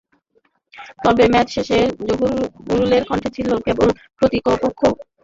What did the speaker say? তবে ম্যাচ শেষে জহুরুলের কণ্ঠে ছিল কেবল প্রতিপক্ষ বোলার মুস্তাফিজুর রহমানের প্রশংসাই।